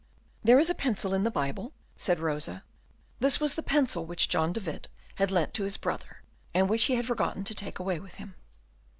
"There is a pencil in the Bible," said Rosa. This was the pencil which John de Witt had lent to his brother, and which he had forgotten to take away with him.